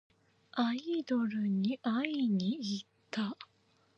アイドルに会いにいった。